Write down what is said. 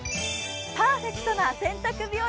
パーフェクトな洗濯日和。